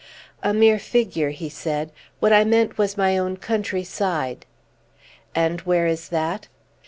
"A mere figure," he said; "what I meant was my own country side." "And where is that?"